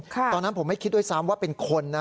ตอนนั้นผมไม่คิดด้วยซ้ำว่าเป็นคนนะ